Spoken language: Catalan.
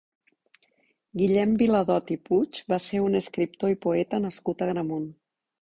Guillem Viladot i Puig va ser un escriptor i poeta nascut a Agramunt.